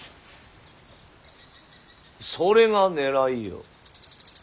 それがねらいよ。